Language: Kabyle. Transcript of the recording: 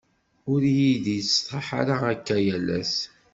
ur iyi-d-yettṣaḥ ara akka yal ass.